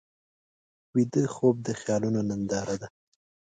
ویده خوب د خیالونو ننداره ده